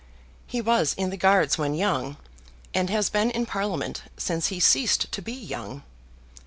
He was in the Guards when young, and has been in Parliament since he ceased to be young.